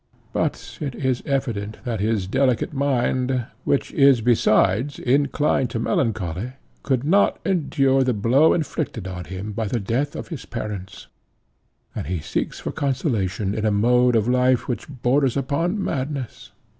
But it is evident that his delicate mind, which is besides inclined to melancholy, could not endure the blow inflicted on him by the death of his parents, and he seeks for consolation in a mode of life which borders upon madness.